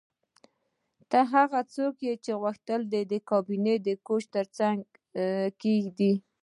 ته هغه څوک یې چې غوښتل دې کابینه د کوچ ترڅنګ کیږدې